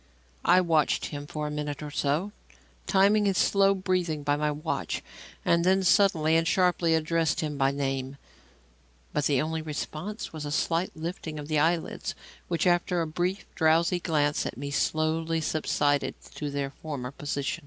I watched him for a minute or so, timing his slow breathing by my watch, and then suddenly and sharply addressed him by name; but the only response was a slight lifting of the eyelids, which, after a brief, drowsy glance at me, slowly subsided to their former position.